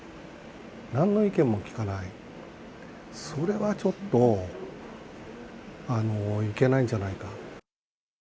なんの意見も聞かない、それはちょっといけないんじゃないか。